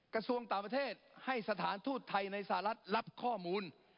กระทรวงต่างประเทศให้สถานทูตไทยในสหรัฐรับข้อมูล